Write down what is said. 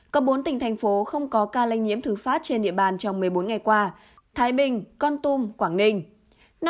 có bốn tỉnh thành phố không có ca lây nhiễm thứ phát trên địa bàn trong một mươi bốn ngày qua thái bình con tum quảng ninh